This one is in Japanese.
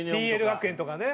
ＰＬ学園とかね。